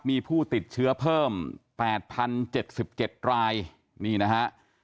มีผู้ติดเชื้อเพิ่ม๘๐๗๗รายนี่นะฮะ